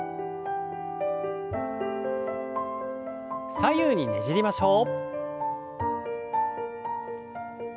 左右にねじりましょう。